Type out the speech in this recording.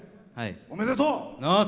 おめでとう！